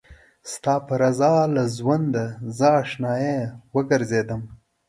ستا په رضا له ژونده زه اشنايه وګرځېدم